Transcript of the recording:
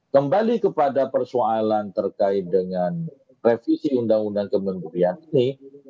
kembali kepada persoalan terkait dengan revisi undang undang kementerian ini